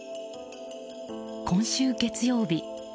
今週月曜日